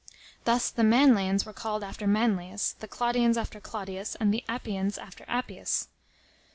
Thus the Manlians were called after Manlius, the Claudians after Claudius, and the Appians after Appius.